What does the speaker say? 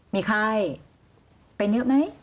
มีไข้เป็นเยอะไหม